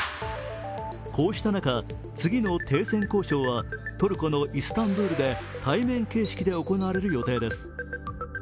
こうした中、次の停戦交渉はトルコのイスタンブールで対面形式で行われる予定です。